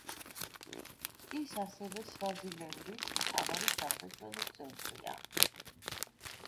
ის ასევე სვაზილენდის მთავარი სამრეწველო ცენტრია.